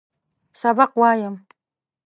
سبق وایم.